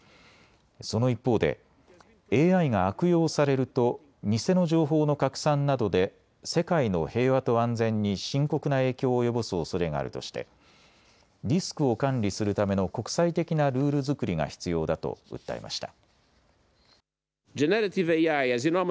その一方でＡＩが悪用されると偽の情報の拡散などで世界の平和と安全に深刻な影響を及ぼすおそれがあるとしてリスクを管理するための国際的なルール作りが必要だと訴えました。